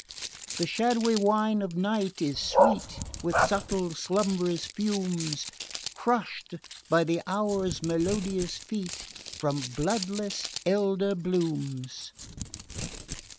The shadowy wine of Night is sweet, With subtle slumbrous fumes Crushed by the Hours' melodious feet From bloodless elder blooms...